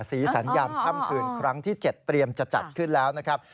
ศรีสัญญามค่ำคืนครั้งที่๗เตรียมจะจัดขึ้นแล้วนะครับ